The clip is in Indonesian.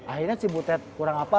akhirnya cibutet kurang apa